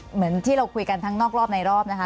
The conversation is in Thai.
เหมือนที่เราคุยกันทั้งนอกรอบในรอบนะคะ